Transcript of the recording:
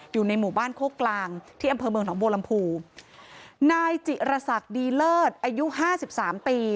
อยู่ในหมู่บ้านโคกกลางที่อำเภอเมืองหนองบัวลำพูนายจิรษักดีเลิศอายุห้าสิบสามปี